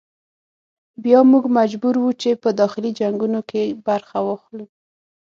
بیا موږ مجبور وو چې په داخلي جنګونو کې برخه واخلو.